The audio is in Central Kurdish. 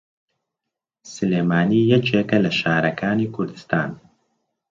سلێمانی یەکێکە لە شارەکانی کوردستان.